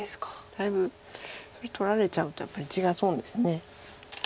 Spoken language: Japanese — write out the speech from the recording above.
だいぶ取られちゃうとやっぱり地が損です。